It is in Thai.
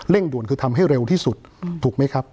ด่วนคือทำให้เร็วที่สุดถูกไหมครับ